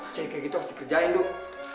cewe kayak gitu harus dikerjain duk